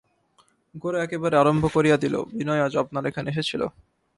গোরা একেবারে আরম্ভ করিয়া দিল, বিনয় আজ আপনার এখানে এসেছিল?